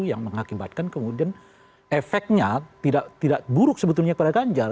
yang mengakibatkan kemudian efeknya tidak buruk sebetulnya kepada ganjar